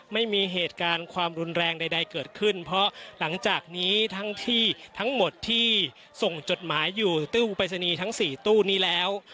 ไม่มีเหตุการณ์ความรุนแรงใดเกิดขึ้นเพราะหลังจากนี้ทั้งที่ทั้งหมดที่ส่งจดหมายอยู่ตู้อุปริศนีย์ทั้ง๔ตู้นี้แล้ว